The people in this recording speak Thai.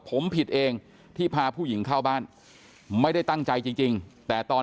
ผมผิดเองที่พาผู้หญิงเข้าบ้านไม่ได้ตั้งใจจริงแต่ตอน